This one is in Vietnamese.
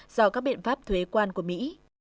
do các biện pháp thuế quan của mỹ